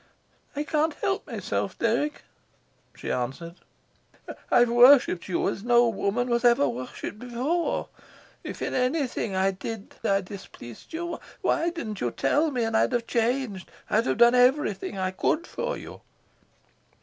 "I can't help myself, Dirk," she answered. "I've worshipped you as no woman was ever worshipped before. If in anything I did I displeased you, why didn't you tell me, and I'd have changed. I've done everything I could for you."